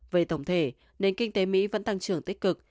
về tổng thể nền kinh tế mỹ vẫn tăng trưởng tích cực